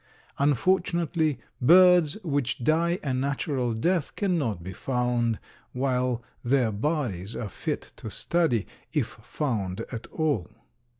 Unfortunately, birds which die a natural death cannot be found while their bodies are fit to study, if found at all.